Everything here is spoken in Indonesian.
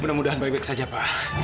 mudah mudahan baik baik saja pak